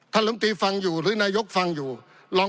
ปี๑เกณฑ์ทหารแสน๒